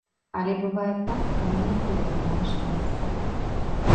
Але бывае так, калі не ты абіраеш месца.